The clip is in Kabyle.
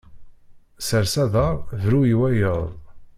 Sers aḍar, bru i wayeḍ.